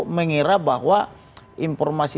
mengira bahwa informasi